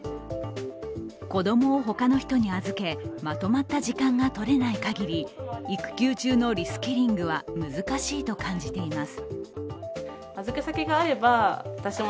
子供を他の人に預け、まとまった時間が取れないかぎり、育休中のリスキリングは難しいと感じています。